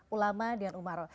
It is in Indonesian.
ulama dan umaroh